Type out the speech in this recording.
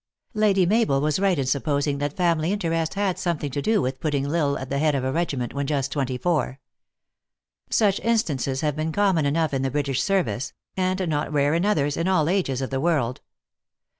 Lady Mabel was right in supposing that family in THE ACTRESS IN HIGH LIFE. 45 terest had something to do with putting L Isle at the head of a regiment when just twenty four. Such in stances have been common enough in the British ser vice and not rare in. others, in all ages of the world.